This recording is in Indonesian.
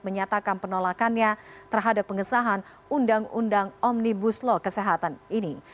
menyatakan penolakannya terhadap pengesahan undang undang omnibus law kesehatan ini